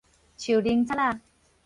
樹奶擦仔